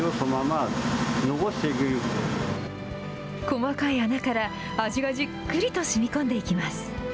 細かい穴から、味がじっくりとしみこんでいきます。